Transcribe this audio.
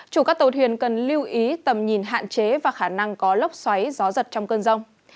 chủ các tàu thuyền cần lưu ý tầm nhìn hạn chế và khả năng có lốc xoáy gió giật trong cơn rông